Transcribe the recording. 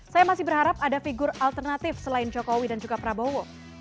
saya masih berharap ada figur alternatif selain jokowi dan juga prabowo